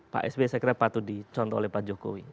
pak sby saya kira patut dicontoh oleh pak jokowi